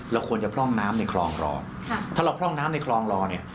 ควรจะพร่องน้ำในคลองรอถ้าเราพร่องน้ำในคลองรอเนี่ย